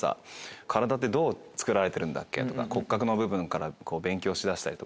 体ってどうつくられてるんだっけ？とか骨格の部分から勉強しだしたりとか。